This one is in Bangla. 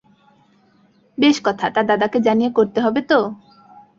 বেশ কথা, তা দাদাকে জানিয়ে করতে হবে তো?